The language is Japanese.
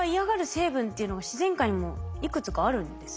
成分っていうのが自然界にもいくつかあるんですね。